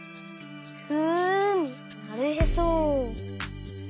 ふんなるへそ。